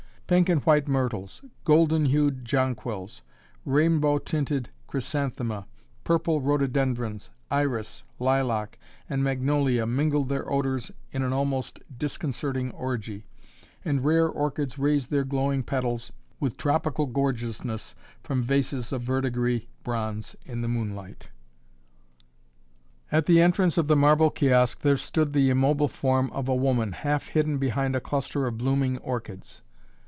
Pink and white myrtles, golden hued jonquils, rainbow tinted chrysanthema, purple rhododendrons, iris, lilac and magnolia mingled their odors in an almost disconcerting orgy, and rare orchids raised their glowing petals with tropical gorgeousness from vases of verdigris bronze in the moonlight. At the entrance of the marble kiosk, there stood the immobile form of a woman, half hidden behind a cluster of blooming orchids.